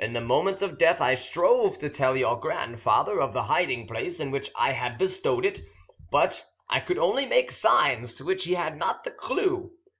In the moment of death I strove to tell your grandfather of the hiding place in which I had bestowed it; but I could only make signs to which he had not the clue.